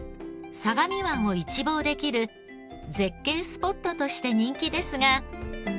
相模湾を一望できる絶景スポットとして人気ですが。